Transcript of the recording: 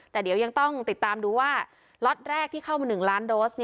แต่เดี๋ยวยังต้องติดตามดูว่าล็อตแรกที่เข้ามา๑ล้านโดส